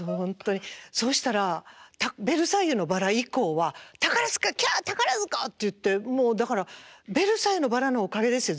そしたら「ベルサイユのばら」以降は「タカラヅカキャタカラヅカ！」って言ってもうだから「ベルサイユのばら」のおかげですよ